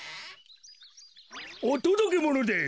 おとどけものです。